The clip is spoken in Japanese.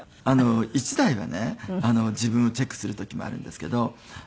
１台はね自分をチェックする時もあるんですけど。